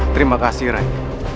terima kasih rai